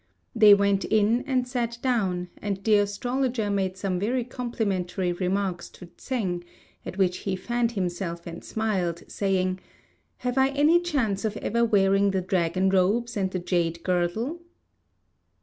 They went in and sat down, and the astrologer made some very complimentary remarks to Tsêng, at which he fanned himself and smiled, saying, "Have I any chance of ever wearing the dragon robes and the jade girdle?"